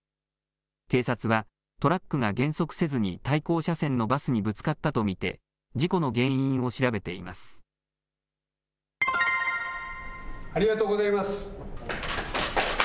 警察は、トラックが減速せずに対向車線のバスにぶつかったと見て、事故のありがとうございます。